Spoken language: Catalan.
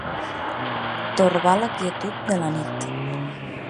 Torbar la quietud de la nit.